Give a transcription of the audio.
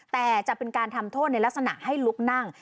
แต่จะเป็นการทำโทษในลักษณะให้ลุกนั่ง